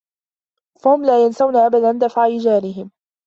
هم لا ينسون أبدا دفع إيجارهم.